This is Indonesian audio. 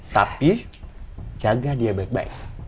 tapi jaga dia baik baik